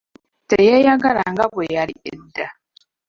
Teyeyagala nga bwe yali edda.